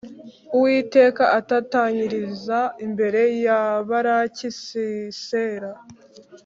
Uwiteka atatanyiriza imbere ya Baraki Sisera